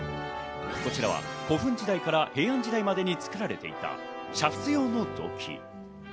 こちらは古墳時代から平安時代までに作られていた煮沸用の土器。